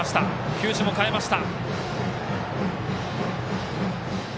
球種も変えました。